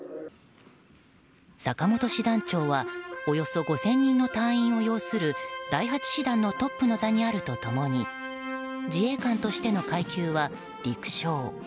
坂本師団長はおよそ５０００人の隊員を擁する第８師団のトップの座にあると共に自衛官としての階級は陸将。